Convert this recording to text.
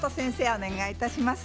お願いいたします。